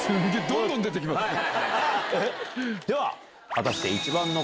どんどん出て来ますね。